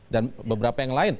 dan beberapa yang lain